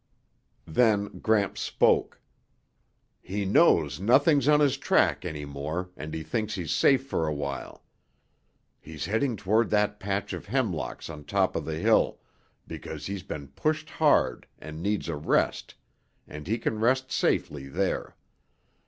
Then Gramps spoke, "He knows nothing's on his track any more and he thinks he's safe for a while. He's heading toward that patch of hemlocks on top of the hill because he's been pushed hard and needs a rest, and he can rest safely there.